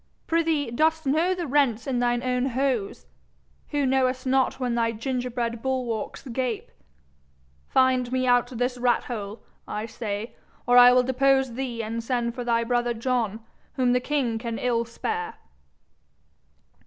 Prithee, dost know the rents in thine own hose, who knowest not when thy gingerbread bulwarks gape? Find me out this rat hole, I say, or I will depose thee and send for thy brother John, whom the king can ill spare.'